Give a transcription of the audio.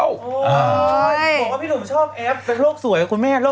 ตรวจแบบว่าพี่หนุ่มชอบแอปเล่นโลกสวยครับอ่ะคุณแม่